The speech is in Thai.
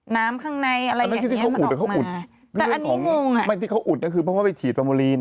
น้ำข้างในอะไรอย่างเงี้ยมันออกมาแต่อันนี้งงอ่ะหมายถึงเขาอุดก็คือเพราะว่าไปฉีดปราโมลีน